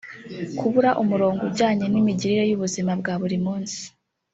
kubura umurongo ujyanye n’imigirire y’ubuzima bwa buri munsi